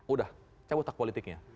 udah cabut anak politiknya